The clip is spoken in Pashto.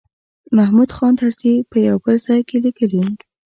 محمود خان طرزي په یو بل ځای کې لیکلي.